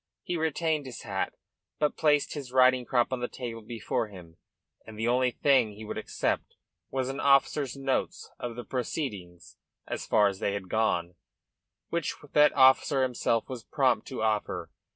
He retained his hat, but placed his riding crop on the table before him; and the only thing he would accept was an officer's notes of the proceedings as far as they had gone, which that officer himself was prompt to offer.